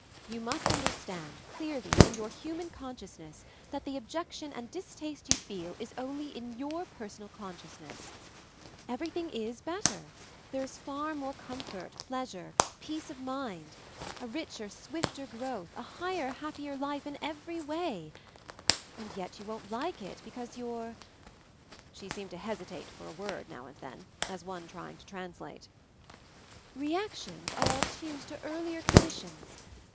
You must un derstand, clearly, in your human conscious ness, that the objection and distaste you feel is only in your personal consciousness. Everything is better ; there is far more com fort, pleasure, peace of mind; a richer. 44 MOVING THE MOUNTAIN swifter growth, a higher happier life in every way; and yet, you won't like it be cause your —" she seemed to hesitate for a word, now and then ; as one trying to trans* late, "reactions are all tuned to earlier con ditions.